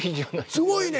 すごいねん。